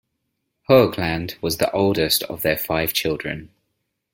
Hoagland was the oldest of their five children.